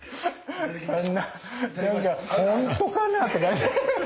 そんな何かホントかな？って感じ。